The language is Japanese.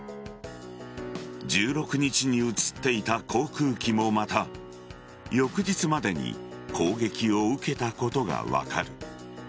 １６日に写っていた航空機もまた翌日までに攻撃を受けたことが分かる。